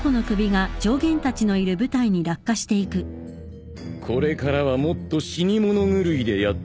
これからはもっと死に物狂いでやった方がいい。